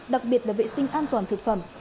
đặc biệt là vệ sinh an toàn thực phẩm